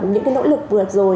những nỗ lực vừa rồi